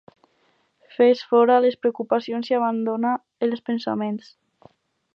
Fes fora les preocupacions i abandona els pensaments.